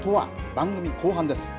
番組後半です。